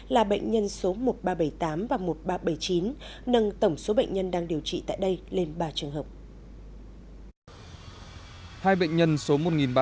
là bệnh nhân số một nghìn ba trăm bảy mươi tám và một nghìn ba trăm bảy mươi chín nâng tổng số bệnh nhân đang điều trị tại đây lên ba trường hợp